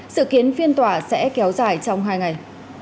sự kiến phiên tòa sẽ kéo dài trong hai ngày